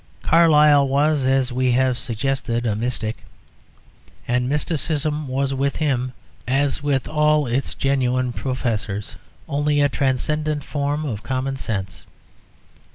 Carlyle was, as we have suggested, a mystic, and mysticism was with him, as with all its genuine professors, only a transcendent form of common sense.